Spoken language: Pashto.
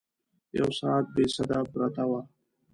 یو ساعت بې سده پرته وه.